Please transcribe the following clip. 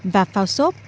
và phao sốt